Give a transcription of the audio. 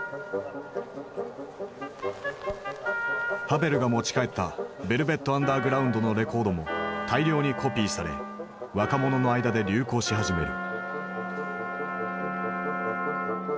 ハヴェルが持ち帰ったヴェルヴェット・アンダーグラウンドのレコードも大量にコピーされ若者の間で流行し始める。